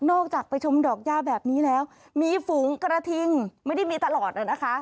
ออกจากไปชมดอกย่าแบบนี้แล้วมีฝูงกระทิงไม่ได้มีตลอดนะคะ